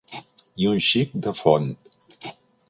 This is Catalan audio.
I un xic de font.